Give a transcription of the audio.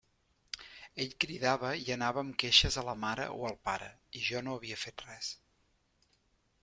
Ell cridava i anava amb queixes a la mare o al pare, i jo no havia fet res.